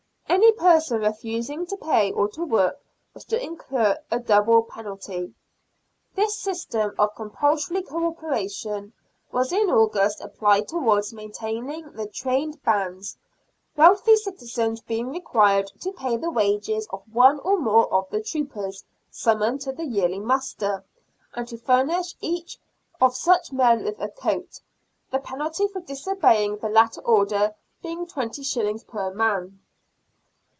Any person refusing to pay or to work was to incur a double penalty. This system of compulsory co operation was in August applied towards maintaining the trained bands, wealthy citizens being required to pay the wages of one or more of the troopers summoned to the yearly muster, and to furnish each of such men with a coat, the penalty for disobeying the latter order being 20s. per man.